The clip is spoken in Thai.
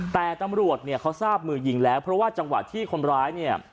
แต่ตำรวจเนี่ยเขาทราบมือยิงแล้วเพราะว่าจังหวะที่คนร้ายเนี่ย